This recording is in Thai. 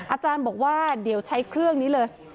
อาจารย์บอกว่าเดี๋ยวใช้เครื่องนี้เลย